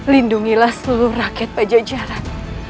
lindungilah seluruh rakyat pajajaran